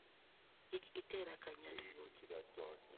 Kik itera ka nyand guogi